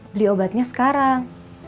beli obatnya sekarang